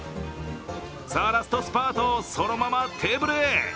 ラストスパート、そのままテーブルへ。